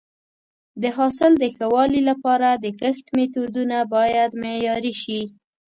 د حاصل د ښه والي لپاره د کښت میتودونه باید معیاري شي.